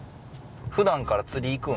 普段から釣り行くん？